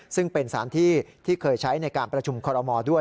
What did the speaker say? ซึ่งเป็นสารที่ที่เคยใช้ในการประชุมคอรมอลด้วย